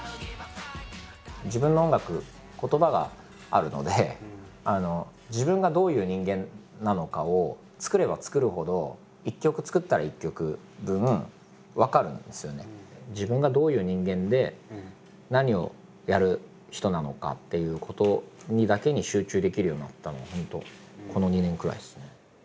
自分の音楽言葉があるので自分がどういう人間なのかを作れば作るほど自分がどういう人間で何をやる人なのかっていうことだけに集中できるようになったのは本当この２年くらいですね。